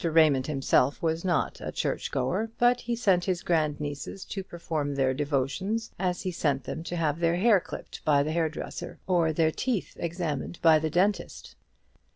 Raymond himself was not a church goer, but he sent his grand nieces to perform their devotions, as he sent them to have their hair clipped by the hairdresser, or their teeth examined by the dentist.